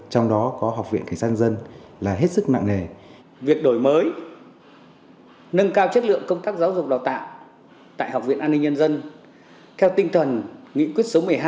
trong đó công tác giáo dục đào tạo phải đi đầu